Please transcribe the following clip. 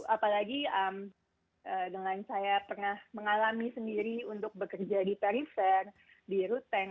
apalagi dengan saya pernah mengalami sendiri untuk bekerja di perifer di ruteng